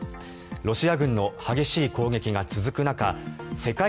ロシア軍の激しい攻撃が続く中世界